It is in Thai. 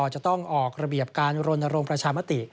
จะต้องออกระเบียบการรณรงค์ประชามติ